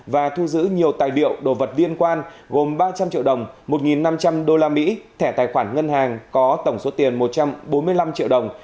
và thu giữ nhiều tài liệu đồ vật liên quan gồm ba trăm linh triệu đồng một năm trăm linh usd thẻ tài khoản ngân hàng có tổng số tiền một trăm bốn mươi năm triệu đồng